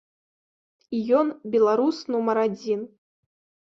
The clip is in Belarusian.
І ён беларус нумар адзін.